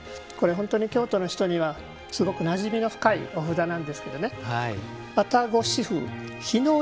本当に京都の人にはすごくなじみが深いお札なんですけどね。